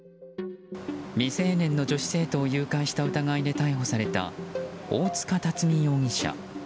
未成年の女子生徒を誘拐した疑いで逮捕された大塚竜実容疑者。